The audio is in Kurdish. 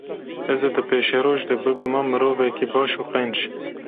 ez ê di pêşerojê de bibima mirovekê baş û qenc.